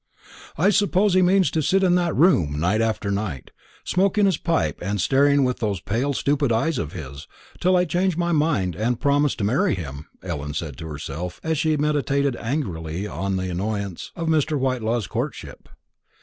"I suppose he means to sit in that room night after night, smoking his pipe and staring with those pale stupid eyes of his, till I change my mind and promise to marry him," Ellen said to herself, as she meditated angrily on the annoyance of Mr. Whitelaw's courtship.